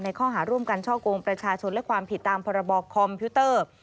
ข้อหาร่วมกันช่อกงประชาชนและความผิดตามพรบคอมพิวเตอร์